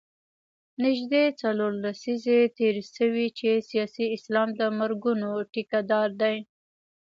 نژدې څلور لسیزې تېرې شوې چې سیاسي اسلام د مرګونو ټیکه دار دی.